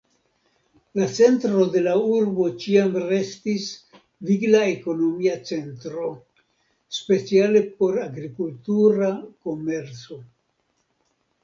La centro de la urbo ĉiam restis vigla ekonomia centro, speciale por agrikultura komerco.